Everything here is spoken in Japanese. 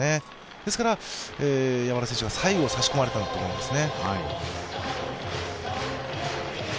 ですから山田選手が最後、差し込まれたんですね。